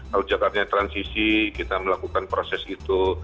kalau jakarta transisi kita melakukan proses itu